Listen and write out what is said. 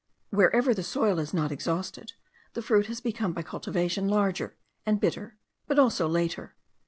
Wherever the soil is not exhausted, the fruit has become by cultivation larger and bitter, but also later.